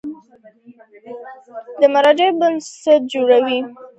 د مرجع بنسټ جوړول تر ټولو مهم ګام دی.